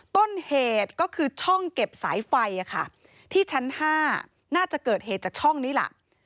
ต้นเหตุก็คือช่องเก็บสายไฟที่ชั้น๕น่าจะเกิดเหตุจากช่องนี้ล่ะ